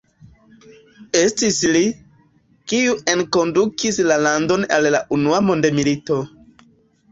Estis li, kiu enkondukis la landon al la Unua mondmilito.